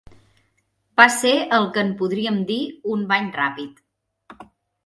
Va ser el que en podríem dir un bany ràpid